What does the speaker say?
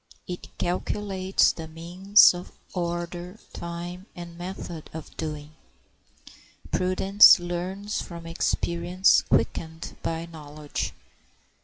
It calculates the means, order, time, and method of doing. Prudence learns from experience quickened by knowledge.